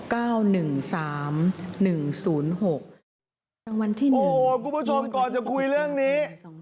รางวัลที่หนึ่งงวดวันที่๑๖ตุลาคม๒๕๖๕โอ้โหคุณผู้ชมก่อนจะคุยเรื่องนี้